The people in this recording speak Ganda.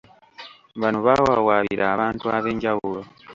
Bano baawaabira abantu ab’enjawulo